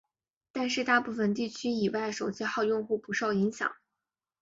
但是大陆地区以外手机号用户不受影响。